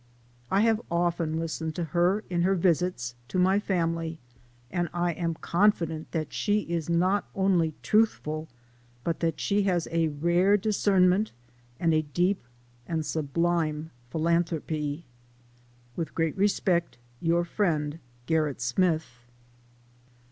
I have often listened to her, in her visits to my family, and I am confident that she is not only truthful, but that she has a rare discernment, and a deep and sublime philanthropy. With great respect your friend, GERRIT SMITH.